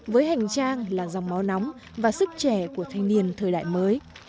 thành trang là dòng máu nóng và sức trẻ của thanh niên thời đại mới